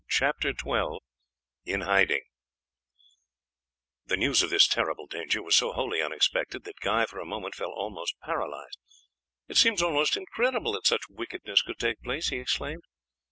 CHAPTER XII IN HIDING The news of this terrible danger was so wholly unexpected that Guy for a moment felt almost paralyzed. "It seems almost incredible that such wickedness could take place!" he exclaimed.